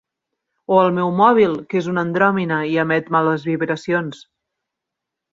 O el meu mòbil, que és una andròmina i emet males vibracions.